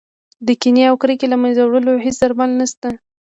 د کینې او کرکې له منځه وړلو هېڅ درمل نه شته.